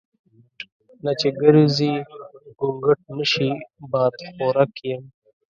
نه چې ګرزي ګونګټ نشي بادخورک یم.